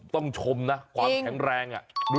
ต้องชมนะความแข็งแรง